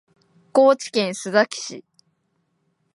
高知県須崎市